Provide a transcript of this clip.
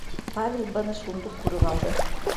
Павел быны шундуҡ күреп ҡалды: